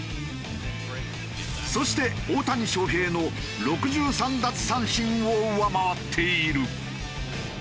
そして大谷翔平の６３奪三振を上回っている。